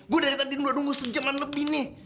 gue dari tadi dua nunggu sejaman lebih nih